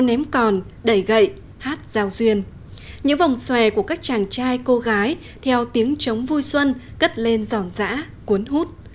những vòng xòe của các chàng trai cô gái theo tiếng chống vui xuân gất lên giòn dã cuốn hút